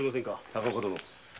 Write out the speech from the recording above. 高岡殿。